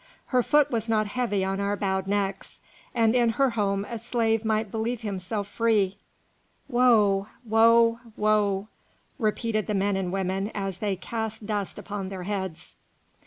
Her foot was not heavy on our bowed necks, and in her home a slave might believe himself free." "Woe! woe! woe!" repeated the men and women as they cast dust upon their heads.